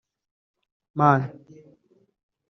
man